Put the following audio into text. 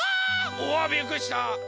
おわっびっくりした！